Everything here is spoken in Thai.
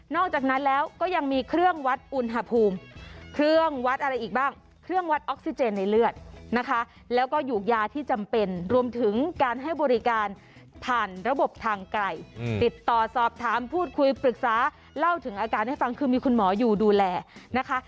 อกจากนั้นแล้วก็ยังมีเครื่องวัดอุณหภูมิเครื่องวัดอะไรอีกบ้างเครื่องวัดออกซิเจนในเลือดนะคะแล้วก็หยูกยาที่จำเป็นรวมถึงการให้บริการผ่านระบบทางไกลติดต่อสอบถามพูดคุยปรึกษาเล่าถึงอาการให้ฟังคือมีคุณหมออยู่ดูแลนะคะ